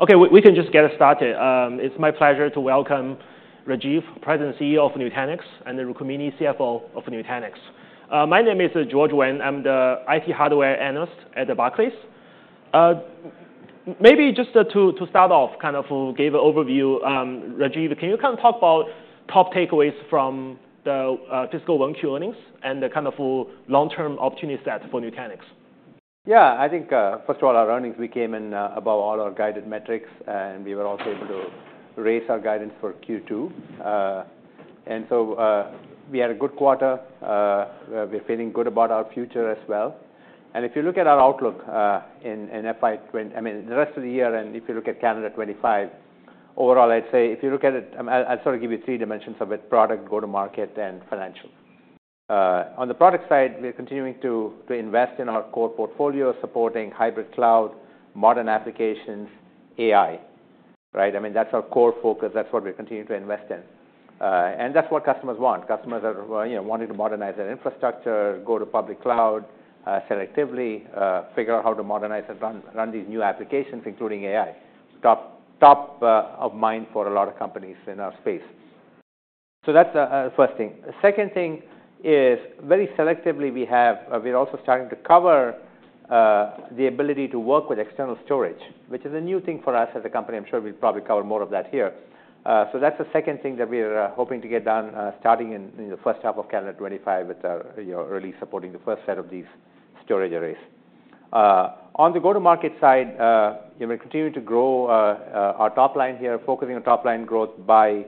Okay, we can just get started. It's my pleasure to welcome Rajiv, President and CEO of Nutanix, and Rukmini, CFO of Nutanix. My name is George Wang. I'm the IT hardware analyst at Barclays. Maybe just to start off, kind of give an overview, Rajiv, can you kind of talk about top takeaways from the fiscal 1Q earnings and the kind of long-term opportunity set for Nutanix? Yeah, I think, first of all, our earnings beat all our guided metrics, and we were also able to raise our guidance for Q2, and so we had a good quarter. We're feeling good about our future as well, and if you look at our outlook in FY 2025, I mean, the rest of the year, and if you look at FY 2025 overall, I'd say if you look at it, I'll sort of give you three dimensions of it: product, go-to-market, and financial. On the product side, we're continuing to invest in our core portfolio, supporting hybrid cloud, modern applications, AI. I mean, that's our core focus. That's what we're continuing to invest in. And that's what customers want. Customers are wanting to modernize their infrastructure, go to public cloud selectively, figure out how to modernize and run these new applications, including AI. Top of mind for a lot of companies in our space. So that's the first thing. The second thing is, very selectively, we're also starting to cover the ability to work with external storage, which is a new thing for us as a company. I'm sure we'll probably cover more of that here. So that's the second thing that we're hoping to get done, starting in the first half of calendar 2025, with early support for the first set of these storage arrays. On the go-to-market side, we're continuing to grow our top line here, focusing on top line growth by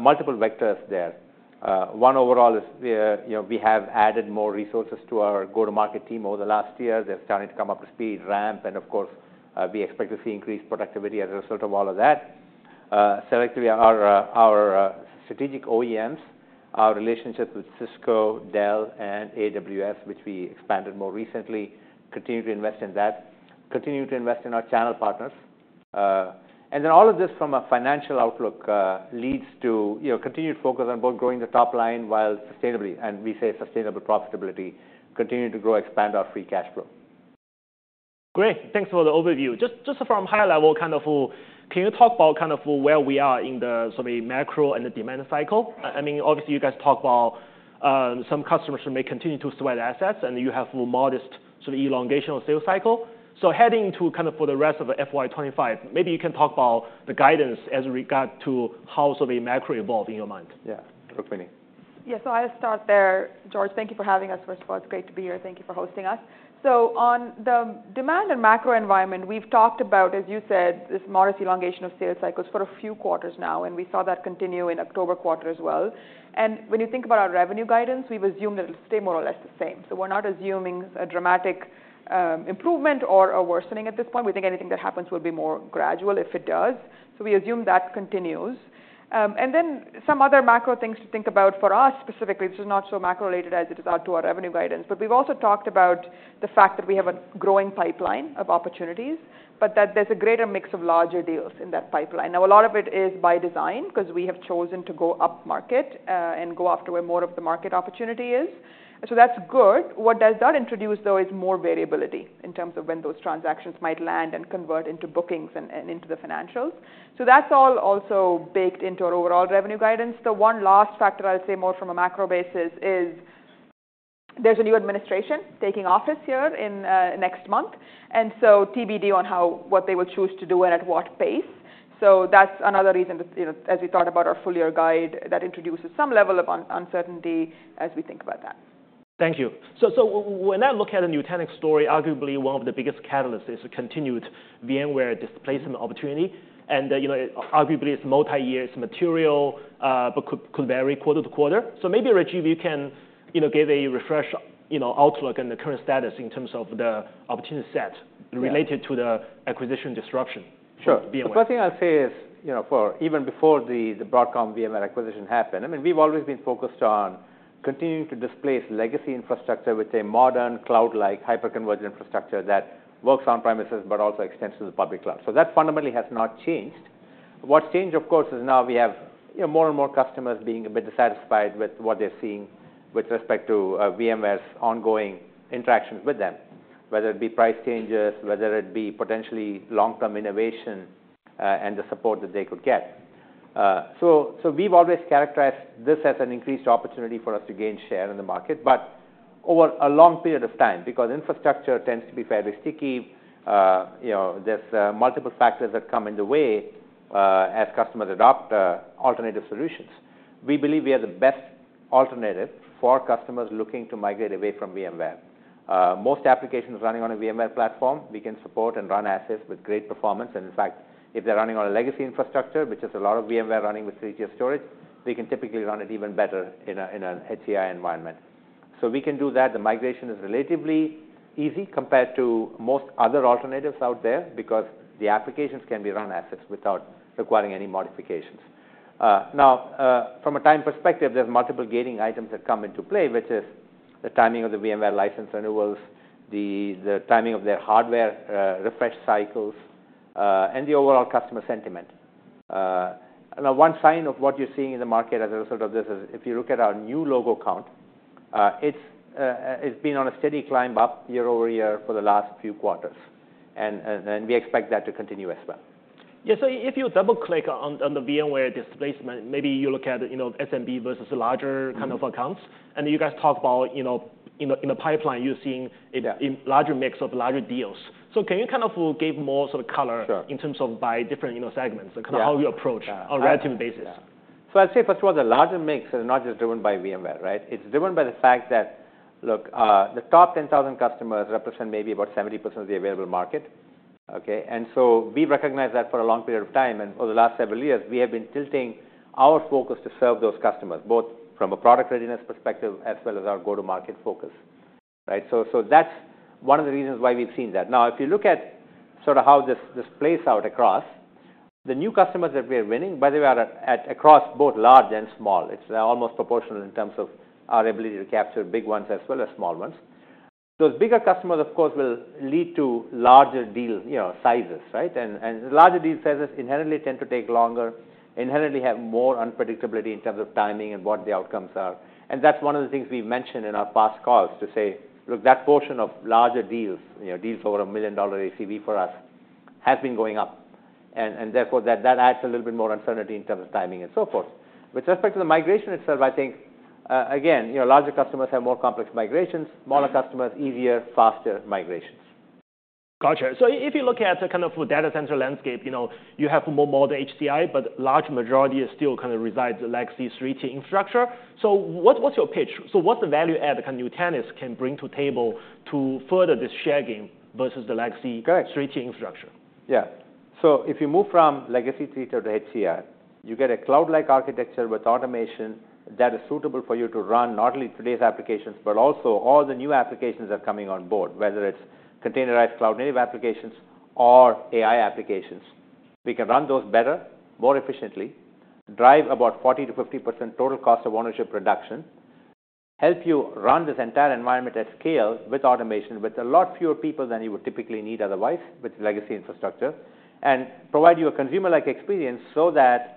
multiple vectors there. One overall is we have added more resources to our go-to-market team over the last year. They're starting to come up to speed, ramp, and of course, we expect to see increased productivity as a result of all of that. Selectively, our strategic OEMs, our relationship with Cisco, Dell, and AWS, which we expanded more recently, continue to invest in that, continue to invest in our channel partners. And then all of this from a financial outlook leads to continued focus on both growing the top line while sustainably, and we say sustainable profitability, continuing to grow, expand our free cash flow. Great. Thanks for the overview. Just from high level, kind of can you talk about kind of where we are in the macro and the demand cycle? I mean, obviously, you guys talk about some customers may continue to sweat assets, and you have modest elongation of sales cycle. So heading to kind of the rest of FY 2025, maybe you can talk about the guidance as it regards to how macro evolved in your mind. Yeah, Rukmini. Yeah, so I'll start there. George, thank you for having us. First of all, it's great to be here. Thank you for hosting us. So on the demand and macro environment, we've talked about, as you said, this modest elongation of sales cycles for a few quarters now, and we saw that continue in October quarter as well. And when you think about our revenue guidance, we've assumed that it'll stay more or less the same. So we're not assuming a dramatic improvement or a worsening at this point. We think anything that happens will be more gradual if it does. So we assume that continues. And then some other macro things to think about for us specifically. This is not so macro related as it is out to our revenue guidance, but we've also talked about the fact that we have a growing pipeline of opportunities, but that there's a greater mix of larger deals in that pipeline. Now, a lot of it is by design because we have chosen to go up market and go after where more of the market opportunity is. So that's good. What does that introduce, though, is more variability in terms of when those transactions might land and convert into bookings and into the financials. So that's all also baked into our overall revenue guidance. The one last factor I'll say more from a macro basis is there's a new administration taking office here next month, and so TBD on what they will choose to do and at what pace. So that's another reason, as we thought about our full year guide, that introduces some level of uncertainty as we think about that. Thank you, so when I look at a Nutanix story, arguably one of the biggest catalysts is continued VMware displacement opportunity, and arguably it's multi-year, it's material, but could vary quarter to quarter, so maybe, Rajiv, you can give a refreshed outlook on the current status in terms of the opportunity set related to the acquisition disruption. Sure. The first thing I'll say is even before the Broadcom VMware acquisition happened, I mean, we've always been focused on continuing to displace legacy infrastructure with a modern cloud-like hyper-converged infrastructure that works on premises, but also extends to the public cloud. So that fundamentally has not changed. What's changed, of course, is now we have more and more customers being a bit dissatisfied with what they're seeing with respect to VMware's ongoing interactions with them, whether it be price changes, whether it be potentially long-term innovation, and the support that they could get. So we've always characterized this as an increased opportunity for us to gain share in the market, but over a long period of time, because infrastructure tends to be fairly sticky, there's multiple factors that come in the way as customers adopt alternative solutions. We believe we are the best alternative for customers looking to migrate away from VMware. Most applications running on a VMware platform, we can support and run as is with great performance. And in fact, if they're running on a legacy infrastructure, which is a lot of VMware running with three-tier storage, they can typically run it even better in an HCI environment. So we can do that. The migration is relatively easy compared to most other alternatives out there because the applications can be run as is without requiring any modifications. Now, from a time perspective, there's multiple gating items that come into play, which is the timing of the VMware license renewals, the timing of their hardware refresh cycles, and the overall customer sentiment. Now, one sign of what you're seeing in the market as a result of this is if you look at our new logo count, it's been on a steady climb up year-over-year for the last few quarters, and we expect that to continue as well. Yeah, so if you double-click on the VMware displacement, maybe you look at SMB versus larger kind of accounts, and you guys talk about in the pipeline you're seeing a larger mix of larger deals. So can you kind of give more sort of color in terms of by different segments, kind of how you approach on a relative basis? So I'd say, first of all, the larger mix is not just driven by VMware, right? It's driven by the fact that, look, the top 10,000 customers represent maybe about 70% of the available market. And so we recognize that for a long period of time. And over the last several years, we have been tilting our focus to serve those customers, both from a product readiness perspective as well as our go-to-market focus. So that's one of the reasons why we've seen that. Now, if you look at sort of how this plays out across, the new customers that we are winning, by the way, are across both large and small. It's almost proportional in terms of our ability to capture big ones as well as small ones. Those bigger customers, of course, will lead to larger deal sizes. Larger deal sizes inherently tend to take longer, inherently have more unpredictability in terms of timing and what the outcomes are. That's one of the things we've mentioned in our past calls to say, look, that portion of larger deals, deals over $1 million ACV for us, has been going up. Therefore, that adds a little bit more uncertainty in terms of timing and so forth. With respect to the migration itself, I think, again, larger customers have more complex migrations, smaller customers, easier, faster migrations. Gotcha. So if you look at the kind of data center landscape, you have more modern HCI, but the large majority still kind of resides in legacy three-tier infrastructure. So what's your pitch? So what's the value add that Nutanix can bring to the table to further this share gain versus the legacy three-tier infrastructure? Yeah. So if you move from legacy three-tier to HCI, you get a cloud-like architecture with automation that is suitable for you to run not only today's applications, but also all the new applications that are coming on board, whether it's containerized cloud-native applications or AI applications. We can run those better, more efficiently, drive about 40%-50% total cost of ownership reduction, help you run this entire environment at scale with automation, with a lot fewer people than you would typically need otherwise with legacy infrastructure, and provide you a consumer-like experience so that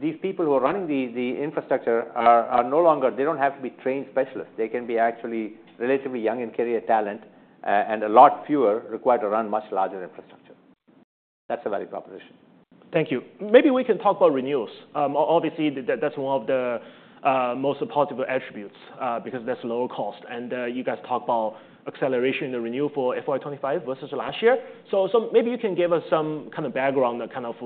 these people who are running the infrastructure are no longer. They don't have to be trained specialists. They can be actually relatively young and career talent and a lot fewer required to run much larger infrastructure. That's a value proposition. Thank you. Maybe we can talk about renewals. Obviously, that's one of the most positive attributes because that's lower cost. And you guys talk about acceleration in the renewal for FY 2025 versus last year. So maybe you can give us some kind of background, kind of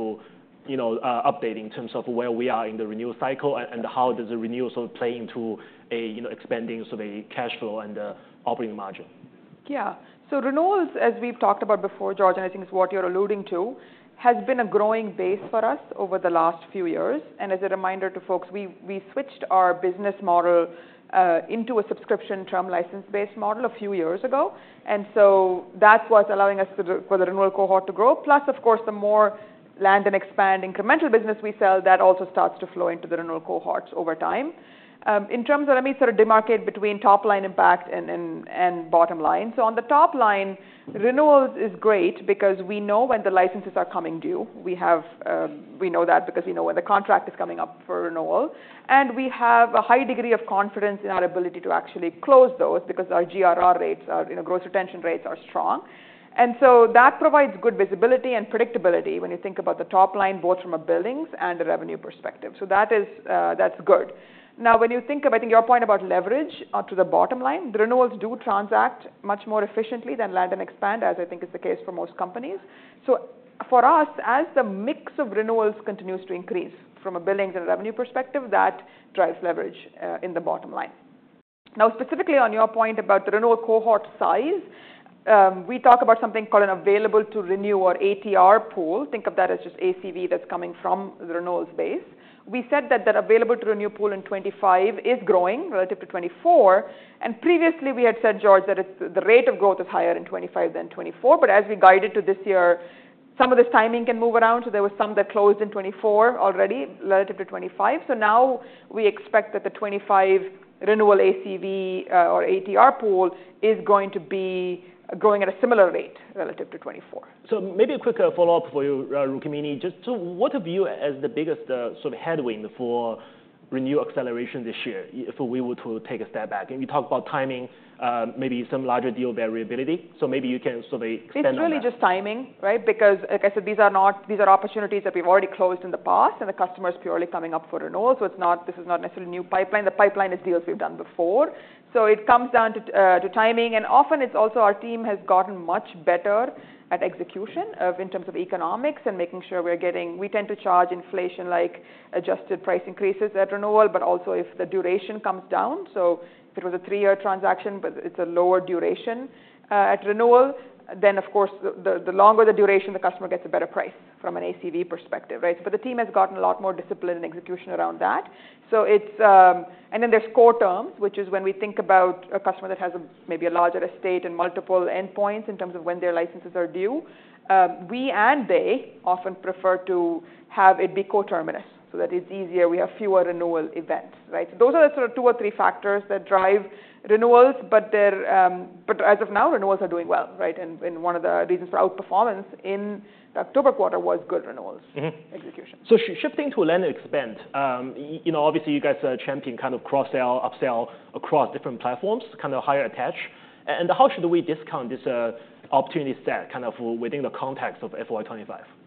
update in terms of where we are in the renewal cycle and how does the renewal play into expanding the cash flow and the operating margin? Yeah. So renewals, as we've talked about before, George, and I think it's what you're alluding to, has been a growing base for us over the last few years. And as a reminder to folks, we switched our business model into a subscription term license-based model a few years ago. And so that's what's allowing us for the renewal cohort to grow. Plus, of course, the more land and expand incremental business we sell, that also starts to flow into the renewal cohorts over time. In terms of, let me sort of demarcate between top line impact and bottom line. So on the top line, renewals is great because we know when the licenses are coming due. We know that because we know when the contract is coming up for renewal. And we have a high degree of confidence in our ability to actually close those because our GRR rates, our gross retention rates are strong. And so that provides good visibility and predictability when you think about the top line, both from a billings and a revenue perspective. So that's good. Now, when you think of, I think your point about leverage to the bottom line, the renewals do transact much more efficiently than land and expand, as I think is the case for most companies. So for us, as the mix of renewals continues to increase from a billings and revenue perspective, that drives leverage in the bottom line. Now, specifically on your point about the renewal cohort size, we talk about something called an available to renew or ATR pool. Think of that as just ACV that's coming from the renewals base. We said that the available to renew pool in 2025 is growing relative to 2024. And previously, we had said, George, that the rate of growth is higher in 2025 than 2024. But as we guided to this year, some of this timing can move around. So there were some that closed in 2024 already relative to 2025. So now we expect that the 2025 renewal ACV or ATR pool is going to be growing at a similar rate relative to 2024. So maybe a quick follow-up for you, Rukmini. Just what have you as the biggest headwind for renewal acceleration this year if we were to take a step back? And you talk about timing, maybe some larger deal variability. So maybe you can expand on that. It's really just timing, right? Because, like I said, these are opportunities that we've already closed in the past, and the customer is purely coming up for renewal, so this is not necessarily a new pipeline. The pipeline is deals we've done before, so it comes down to timing, and often, it's also our team has gotten much better at execution in terms of economics and making sure we're getting. We tend to charge inflation-like adjusted price increases at renewal, but also if the duration comes down. So if it was a three-year transaction, it's a lower duration at renewal, then, of course, the longer the duration, the customer gets a better price from an ACV perspective, but the team has gotten a lot more discipline and execution around that. And then there's core terms, which is when we think about a customer that has maybe a larger estate and multiple endpoints in terms of when their licenses are due. We and they often prefer to have it be coterminous so that it's easier. We have fewer renewal events. So those are the sort of two or three factors that drive renewals. But as of now, renewals are doing well. And one of the reasons for outperformance in the October quarter was good renewals execution. Shifting to land and expand, obviously, you guys champion kind of cross-sell, up-sell across different platforms, kind of higher attach. How should we discount this opportunity set kind of within the context of FY 2025? So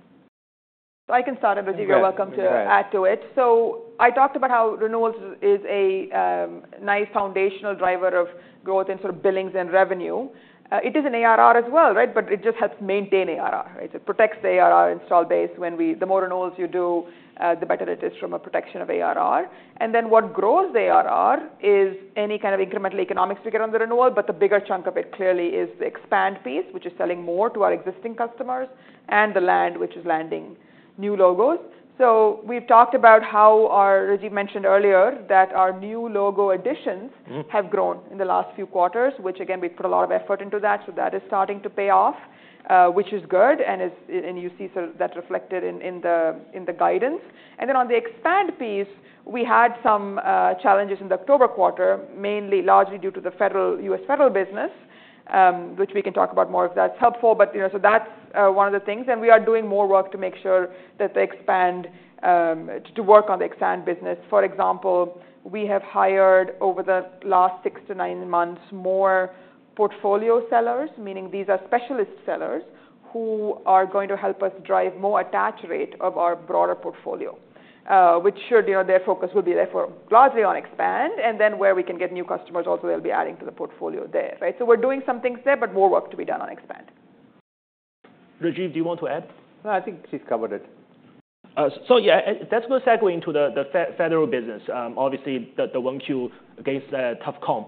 I can start it, but you're welcome to add to it. So I talked about how renewals is a nice foundational driver of growth in sort of billings and revenue. It is an ARR as well, but it just helps maintain ARR. So it protects the ARR install base when the more renewals you do, the better it is from a protection of ARR. And then what grows the ARR is any kind of incremental economics we get on the renewal, but the bigger chunk of it clearly is the expand piece, which is selling more to our existing customers, and the land, which is landing new logos. So we've talked about how our Rajiv mentioned earlier that our new logo additions have grown in the last few quarters, which, again, we've put a lot of effort into that. So that is starting to pay off, which is good. And you see that reflected in the guidance. And then on the expand piece, we had some challenges in the October quarter, largely due to the U.S. federal business, which we can talk about more if that's helpful. But so that's one of the things. And we are doing more work to make sure that the expand to work on the expand business. For example, we have hired over the last six to nine months more portfolio sellers, meaning these are specialist sellers who are going to help us drive more attach rate of our broader portfolio, which should their focus will be therefore largely on expand. And then where we can get new customers, also they'll be adding to the portfolio there. So we're doing some things there, but more work to be done on expand. Rajiv, do you want to add? No, I think she's covered it. So yeah, that's going to segue into the federal business. Obviously, the 1Q gets tough comp,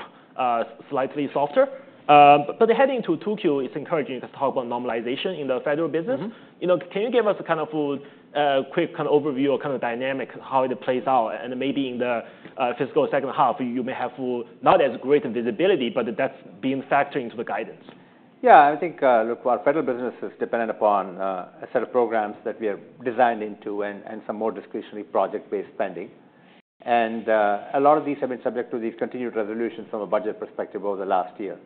slightly softer. But heading to 2Q, it's encouraging to talk about normalization in the federal business. Can you give us a kind of quick kind of overview or kind of dynamic how it plays out? And maybe in the fiscal second half, you may have not as great visibility, but that's being factored into the guidance. Yeah, I think, look, our federal business is dependent upon a set of programs that we are designed into and some more discretionary project-based spending. And a lot of these have been subject to these continued resolutions from a budget perspective over the last year.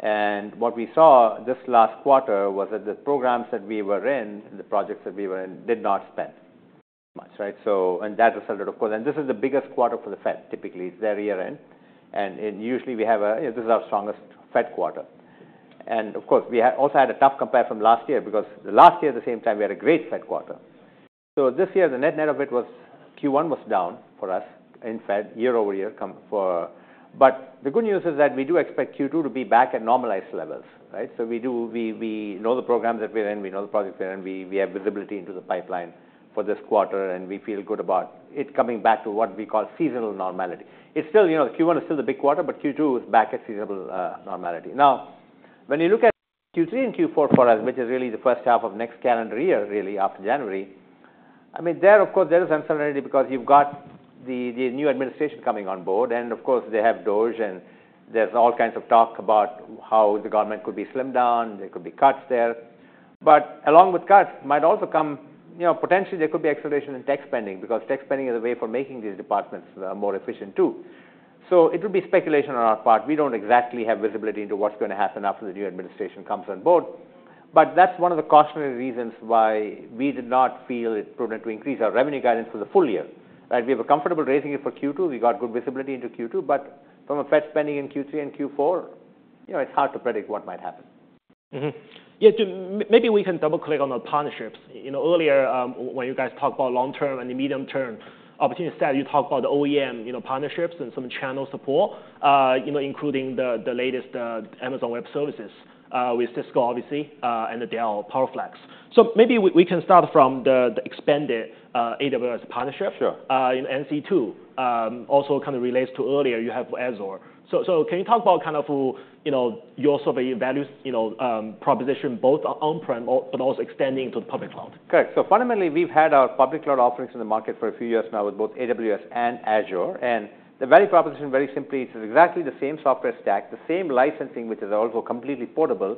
And what we saw this last quarter was that the programs that we were in, the projects that we were in, did not spend much. And that resulted, of course, and this is the biggest quarter for the Fed, typically. It's their year-end. And usually, we have a this is our strongest Fed quarter. And of course, we also had a tough compare from last year because last year, at the same time, we had a great Fed quarter. So this year, the net-net of it was Q1 was down for us in Fed year-over-year. But the good news is that we do expect Q2 to be back at normalized levels. So we know the programs that we're in. We know the projects we're in. We have visibility into the pipeline for this quarter. And we feel good about it coming back to what we call seasonal normality. The Q1 is still the big quarter, but Q2 is back at seasonal normality. Now, when you look at Q3 and Q4 for us, which is really the first half of next calendar year, really, after January, I mean, there, of course, there is uncertainty because you've got the new administration coming on board. And of course, they have DOGE, and there's all kinds of talk about how the government could be slimmed down. There could be cuts there. But along with cuts, there might also come potentially acceleration in tech spending because tech spending is a way for making these departments more efficient too. So it would be speculation on our part. We don't exactly have visibility into what's going to happen after the new administration comes on board. That's one of the cautionary reasons why we did not feel it prudent to increase our revenue guidance for the full year. We were comfortable raising it for Q2. We got good visibility into Q2. But from a Fed spending in Q3 and Q4, it's hard to predict what might happen. Yeah, maybe we can double-click on the partnerships. Earlier, when you guys talked about long-term and the medium-term opportunity set, you talked about the OEM partnerships and some channel support, including the latest Amazon Web Services with Cisco, obviously, and the Dell PowerFlex, so maybe we can start from the expanded AWS partnership. Sure. NC2 also kind of relates to earlier. You have Azure. So can you talk about kind of your sort of value proposition, both on-prem but also extending to the public cloud? Correct, so fundamentally, we've had our public cloud offerings in the market for a few years now with both AWS and Azure, and the value proposition, very simply, it's exactly the same software stack, the same licensing, which is also completely portable,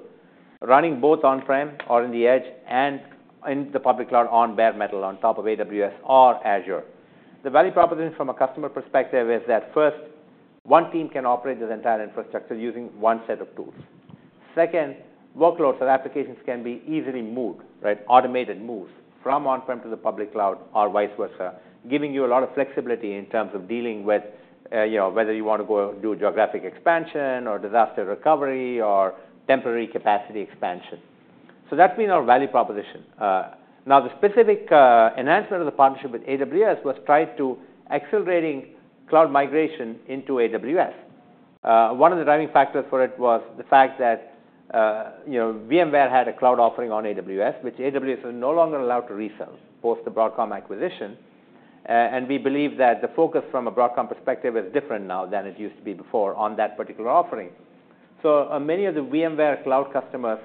running both on-prem or on the edge and in the public cloud on bare metal on top of AWS or Azure. The value proposition from a customer perspective is that, first, one team can operate this entire infrastructure using one set of tools. Second, workloads or applications can be easily moved, automated moves from on-prem to the public cloud or vice versa, giving you a lot of flexibility in terms of dealing with whether you want to go do geographic expansion or disaster recovery or temporary capacity expansion, so that's been our value proposition. Now, the specific enhancement of the partnership with AWS was tied to accelerating cloud migration into AWS. One of the driving factors for it was the fact that VMware had a cloud offering on AWS, which AWS is no longer allowed to resell post the Broadcom acquisition. And we believe that the focus from a Broadcom perspective is different now than it used to be before on that particular offering. So many of the VMware cloud customers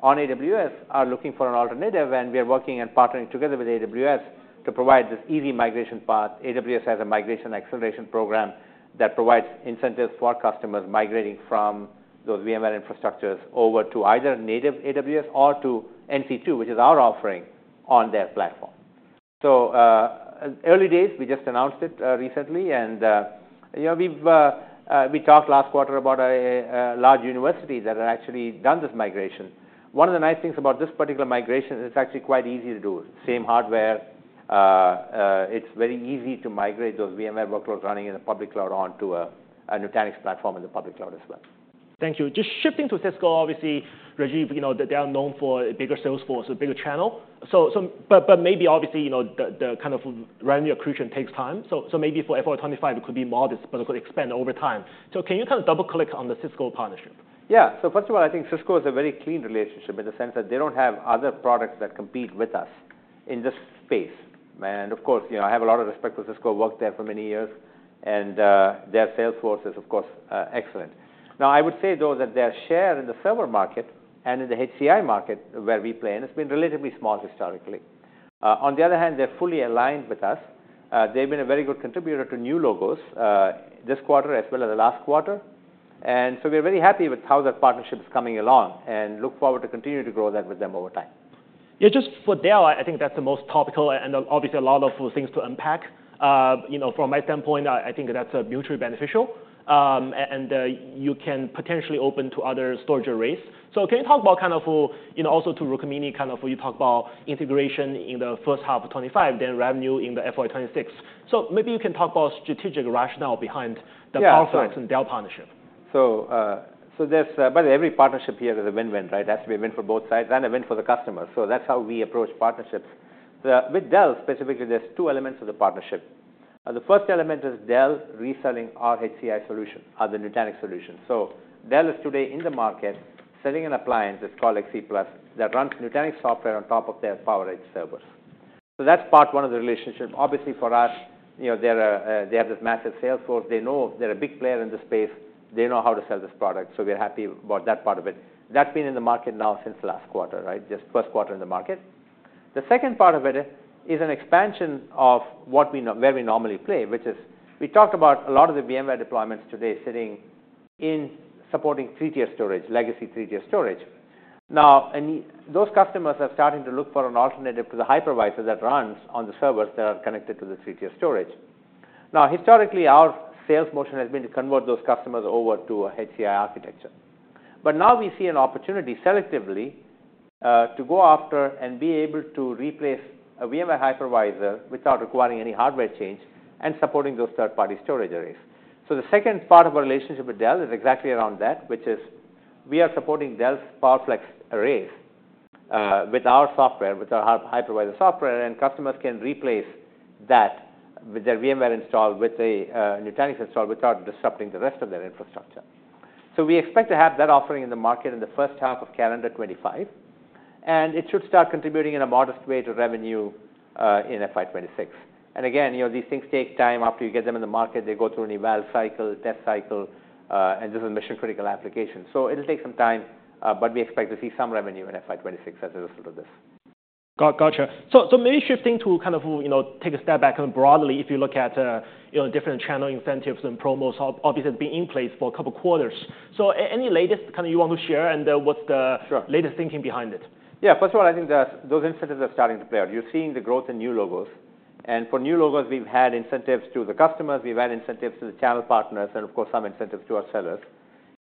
on AWS are looking for an alternative. And we are working and partnering together with AWS to provide this easy migration path. AWS has a migration acceleration program that provides incentives for customers migrating from those VMware infrastructures over to either native AWS or to NC2, which is our offering on their platform. So early days, we just announced it recently. We talked last quarter about large universities that have actually done this migration. One of the nice things about this particular migration is it's actually quite easy to do. Same hardware. It's very easy to migrate those VMware workloads running in the public cloud onto a Nutanix platform in the public cloud as well. Thank you. Just shifting to Cisco, obviously, Rajiv, they are known for a bigger sales force, a bigger channel. But maybe, obviously, the kind of revenue accretion takes time. So maybe for FY 2025, it could be modest, but it could expand over time. So can you kind of double-click on the Cisco partnership? Yeah. So first of all, I think Cisco is a very clean relationship in the sense that they don't have other products that compete with us in this space. And of course, I have a lot of respect for Cisco. I worked there for many years. And their sales force is, of course, excellent. Now, I would say, though, that their share in the server market and in the HCI market, where we play, has been relatively small historically. On the other hand, they're fully aligned with us. They've been a very good contributor to new logos this quarter as well as the last quarter. And so we're very happy with how that partnership is coming along and look forward to continue to grow that with them over time. Yeah, just for Dell, I think that's the most topical and obviously a lot of things to unpack. From my standpoint, I think that's mutually beneficial. And you can potentially open to other storage arrays. So can you talk about kind of also to Rukmini, kind of you talked about integration in the first half of 2025, then revenue in the FY 2026. So maybe you can talk about strategic rationale behind the PowerFlex and Dell partnership. Yeah. So by the way, every partnership here is a win-win, right? It has to be a win for both sides and a win for the customer. So that's how we approach partnerships. With Dell, specifically, there's two elements of the partnership. The first element is Dell reselling our HCI solution, the Nutanix solution. So Dell is today in the market selling an appliance, it's called XC Plus, that runs Nutanix software on top of their PowerEdge servers. So that's part one of the relationship. Obviously, for us, they have this massive sales force. They know they're a big player in the space. They know how to sell this product. So we're happy about that part of it. That's been in the market now since last quarter, just first quarter in the market. The second part of it is an expansion of where we normally play, which is we talked about a lot of the VMware deployments today sitting in supporting three-tier storage, legacy three-tier storage. Now, those customers are starting to look for an alternative to the hypervisor that runs on the servers that are connected to the three-tier storage. Now, historically, our sales motion has been to convert those customers over to a HCI architecture. But now we see an opportunity selectively to go after and be able to replace a VMware hypervisor without requiring any hardware change and supporting those third-party storage arrays. So the second part of our relationship with Dell is exactly around that, which is we are supporting Dell's PowerFlex arrays with our software, with our hypervisor software. Customers can replace that with their VMware install, with the Nutanix install without disrupting the rest of their infrastructure. We expect to have that offering in the market in the first half of calendar 2025. It should start contributing in a modest way to revenue in FY 2026. Again, these things take time. After you get them in the market, they go through an eval cycle, test cycle, and this is mission-critical application. It'll take some time. We expect to see some revenue in FY 2026 as a result of this. Gotcha. So maybe shifting to kind of take a step back kind of broadly, if you look at different channel incentives and promos, obviously, that have been in place for a couple of quarters. So any latest kind of you want to share and what's the latest thinking behind it? Yeah. First of all, I think those incentives are starting to play. You're seeing the growth in new logos. And for new logos, we've had incentives to the customers. We've had incentives to the channel partners and, of course, some incentives to our sellers.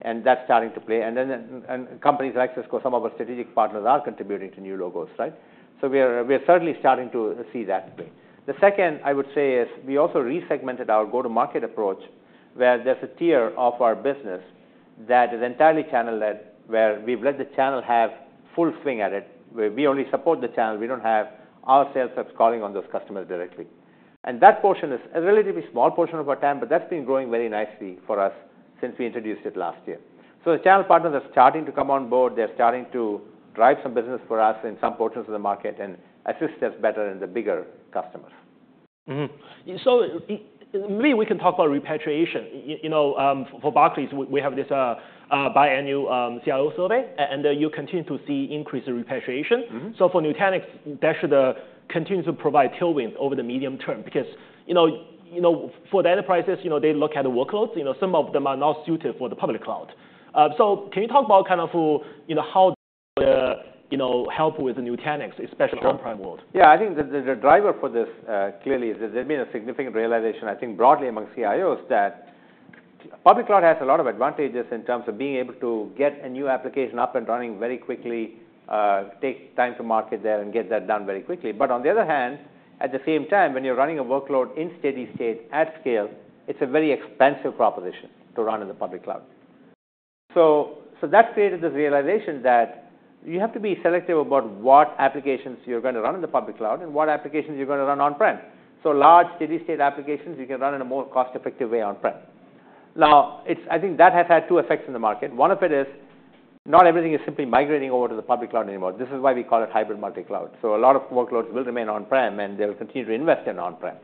And that's starting to play. And then companies like Cisco, some of our strategic partners, are contributing to new logos. So we're certainly starting to see that play. The second, I would say, is we also resegmented our go-to-market approach where there's a tier of our business that is entirely channeled, where we've let the channel have full swing at it. We only support the channel. We don't have our sales reps calling on those customers directly. And that portion is a relatively small portion of our time. But that's been growing very nicely for us since we introduced it last year. So the channel partners are starting to come on board. They're starting to drive some business for us in some portions of the market and assist us better in the bigger customers. So maybe we can talk about repatriation. For Barclays, we have this biannual CIO survey. And you continue to see increased repatriation. So for Nutanix, that should continue to provide tailwind over the medium term because for the enterprises, they look at the workloads. Some of them are not suited for the public cloud. So can you talk about kind of how the help with Nutanix, especially on-prem world? Yeah, I think the driver for this clearly is there's been a significant realization, I think, broadly among CIOs that public cloud has a lot of advantages in terms of being able to get a new application up and running very quickly, take time to market there, and get that done very quickly. But on the other hand, at the same time, when you're running a workload in steady state at scale, it's a very expensive proposition to run in the public cloud. So that's created this realization that you have to be selective about what applications you're going to run in the public cloud and what applications you're going to run on-prem. So large steady state applications, you can run in a more cost-effective way on-prem. Now, I think that has had two effects in the market. One of it is not everything is simply migrating over to the public cloud anymore. This is why we call it hybrid multi-cloud, so a lot of workloads will remain on-prem, and they will continue to invest in on-prem.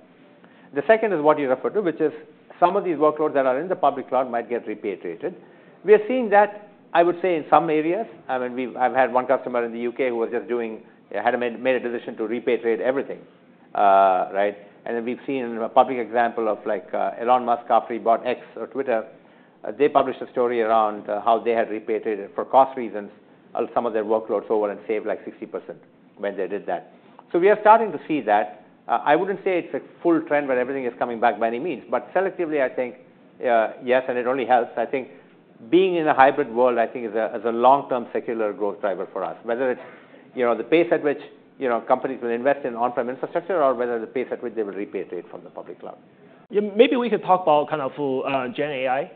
The second is what you refer to, which is some of these workloads that are in the public cloud might get repatriated. We are seeing that, I would say, in some areas. I mean, I've had one customer in the U.K. who had made a decision to repatriate everything, and then we've seen a public example of like Elon Musk after he bought X or Twitter. They published a story around how they had repatriated, for cost reasons, some of their workloads over and saved like 60% when they did that, so we are starting to see that. I wouldn't say it's a full trend where everything is coming back by any means. But selectively, I think, yes. And it only helps. I think being in a hybrid world, I think, is a long-term secular growth driver for us, whether it's the pace at which companies will invest in on-prem infrastructure or whether the pace at which they will repatriate from the public cloud. Yeah, maybe we can talk about kind of GenAI.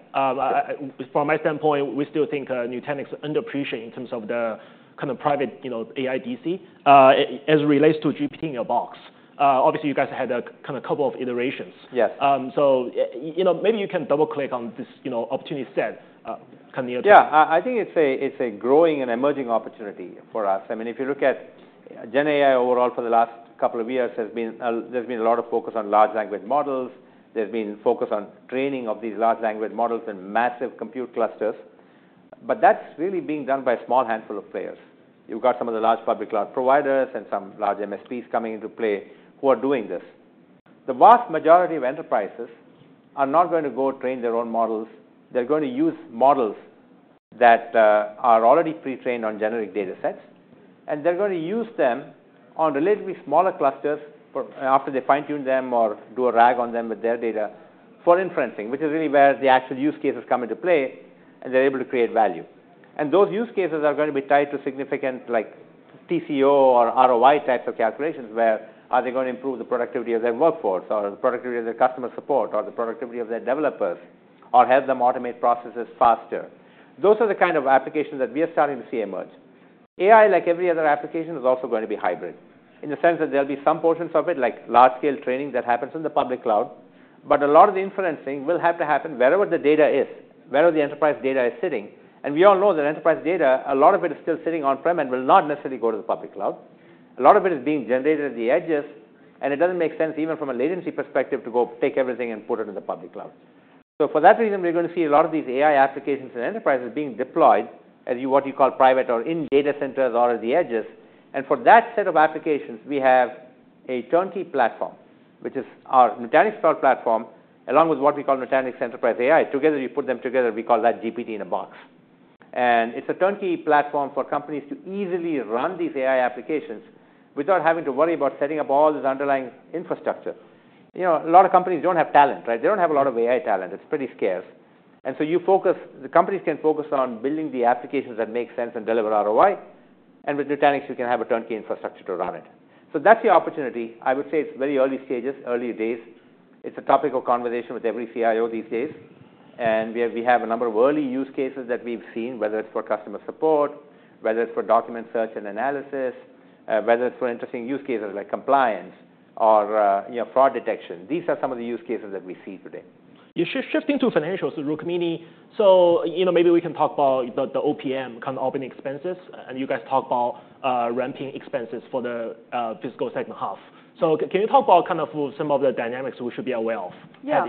From my standpoint, we still think Nutanix is underappreciated in terms of the kind of private AI DC as it relates to GPT-in-a-Box. Obviously, you guys had a kind of couple of iterations. Yes. Maybe you can double-click on this opportunity set kind of near the. Yeah. I think it's a growing and emerging opportunity for us. I mean, if you look at GenAI overall for the last couple of years, there's been a lot of focus on large language models. There's been focus on training of these large language models in massive compute clusters, but that's really being done by a small handful of players. You've got some of the large public cloud providers and some large MSPs coming into play who are doing this. The vast majority of enterprises are not going to go train their own models. They're going to use models that are already pre-trained on generic data sets, and they're going to use them on relatively smaller clusters after they fine-tune them or do a RAG on them with their data for inferencing, which is really where the actual use cases come into play, and they're able to create value. And those use cases are going to be tied to significant TCO or ROI types of calculations, where they are going to improve the productivity of their workforce or the productivity of their customer support or the productivity of their developers or help them automate processes faster. Those are the kind of applications that we are starting to see emerge. AI, like every other application, is also going to be hybrid in the sense that there'll be some portions of it, like large-scale training that happens in the public cloud. But a lot of the inferencing will have to happen wherever the data is, wherever the enterprise data is sitting. And we all know that enterprise data, a lot of it is still sitting on-prem and will not necessarily go to the public cloud. A lot of it is being generated at the edges. And it doesn't make sense, even from a latency perspective, to go take everything and put it in the public cloud. So for that reason, we're going to see a lot of these AI applications in enterprises being deployed at what you call private or in data centers or at the edges. And for that set of applications, we have a turnkey platform, which is our Nutanix Cloud Platform, along with what we call Nutanix Enterprise AI. Together, you put them together, we call that GPT-in-a-Box. And it's a turnkey platform for companies to easily run these AI applications without having to worry about setting up all this underlying infrastructure. A lot of companies don't have talent. They don't have a lot of AI talent. It's pretty scarce. And so the companies can focus on building the applications that make sense and deliver ROI. With Nutanix, you can have a turnkey infrastructure to run it. That's the opportunity. I would say it's very early stages, early days. It's a topic of conversation with every CIO these days. We have a number of early use cases that we've seen, whether it's for customer support, whether it's for document search and analysis, whether it's for interesting use cases like compliance or fraud detection. These are some of the use cases that we see today. You're shifting to financials, Rukmini. So maybe we can talk about the OpEx, kind of operating expenses. And you guys talk about ramping expenses for the fiscal second half. So can you talk about kind of some of the dynamics we should be aware of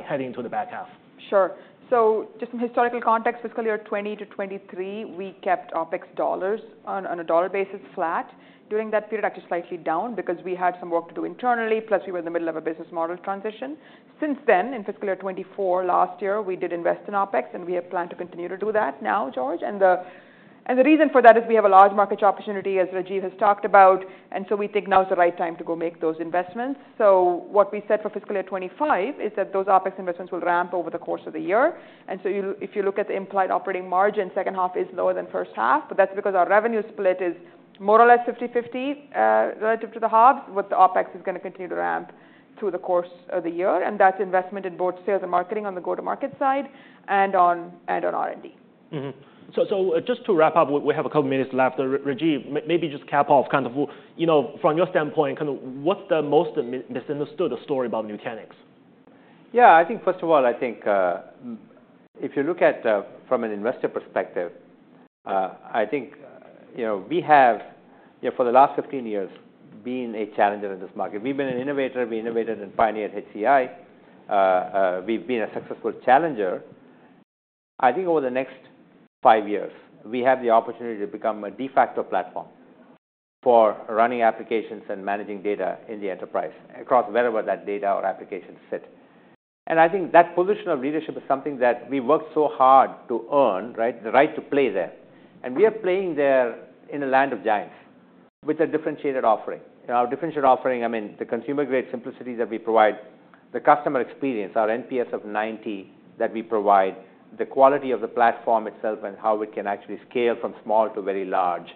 heading into the back half? Sure. So just some historical context. Fiscal year 2020 to 2023, we kept OpEx dollars on a dollar basis flat. During that period, actually slightly down because we had some work to do internally, plus we were in the middle of a business model transition. Since then, in fiscal year 2024, last year, we did invest in OpEx. And we have planned to continue to do that now, George. And the reason for that is we have a large market opportunity, as Rajiv has talked about. And so we think now is the right time to go make those investments. So what we said for fiscal year 2025 is that those OpEx investments will ramp over the course of the year. And so if you look at the implied operating margin, second half is lower than first half. but that's because our revenue split is more or less 50/50 relative to the halves, with the OpEx is going to continue to ramp through the course of the year. and that's investment in both sales and marketing on the go-to-market side and on R&D. So just to wrap up, we have a couple of minutes left. Rajiv, maybe just cap off kind of from your standpoint, kind of what's the most misunderstood story about Nutanix? Yeah. I think, first of all, I think if you look at it from an investor perspective, I think we have, for the last 15 years, been a challenger in this market. We've been an innovator. We innovated and pioneered HCI. We've been a successful challenger. I think over the next five years, we have the opportunity to become a de facto platform for running applications and managing data in the enterprise across wherever that data or application sits. And I think that position of leadership is something that we worked so hard to earn, the right to play there. And we are playing there in a land of giants with a differentiated offering. Our differentiated offering, I mean, the consumer-grade simplicity that we provide, the customer experience, our NPS of 90 that we provide, the quality of the platform itself and how it can actually scale from small to very large,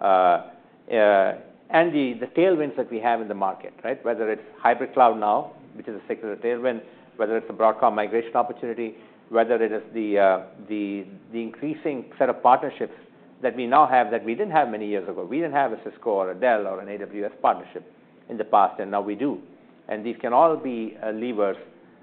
and the tailwinds that we have in the market, whether it's hybrid cloud now, which is a secular tailwind, whether it's a VMware migration opportunity, whether it is the increasing set of partnerships that we now have that we didn't have many years ago. We didn't have a Cisco or a Dell or an AWS partnership in the past. And now we do. And these can all be levers.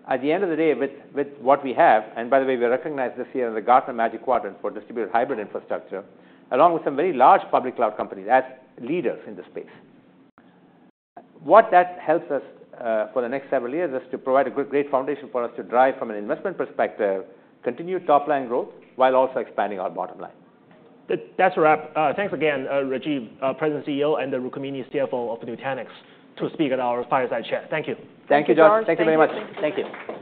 At the end of the day, with what we have, and by the way, we were recognized this year in the Gartner Magic Quadrant for distributed hybrid infrastructure, along with some very large public cloud companies as leaders in the space. What that helps us for the next several years is to provide a great foundation for us to drive, from an investment perspective, continued top-line growth while also expanding our bottom line. That's a wrap. Thanks again to Rajiv, President and CEO, and Rukmini, CFO of Nutanix, to speak at our fireside chat. Thank you. Thank you, George. Thank you very much. Thank you.